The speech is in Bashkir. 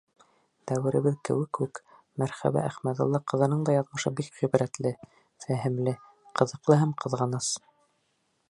Дәүеребеҙ кеүек үк, Мәрхәбә Әхмәҙулла ҡыҙының да яҙмышы бик ғибрәтле, фәһемле, ҡыҙыҡлы һәм ҡыҙғаныс.